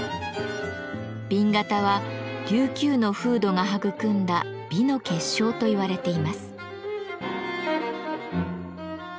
紅型は琉球の風土が育んだ美の結晶と言われています。